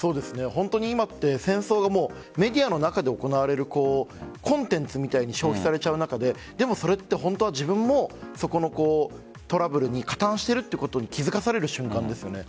本当に今戦争がメディアの中で行われるコンテンツみたいに消費されちゃう中ででも、それは自分もそのトラブルに加担してるということに気づかされる瞬間ですよね。